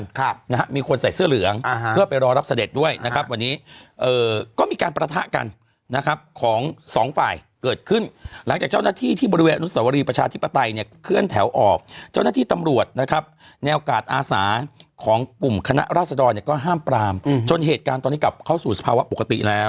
ครับนะฮะมีคนใส่เสื้อเหลืองอ่าฮะเพื่อไปรอรับเสด็จด้วยนะครับวันนี้เอ่อก็มีการประทะกันนะครับของสองฝ่ายเกิดขึ้นหลังจากเจ้าหน้าที่ที่บริเวณอนุสวรีประชาธิปไตยเนี่ยเคลื่อนแถวออกเจ้าหน้าที่ตำรวจนะครับแนวกาดอาสาของกลุ่มคณะราษดรเนี่ยก็ห้ามปรามอืมจนเหตุการณ์ตอนนี้กลับเข้าสู่สภาวะปกติแล้ว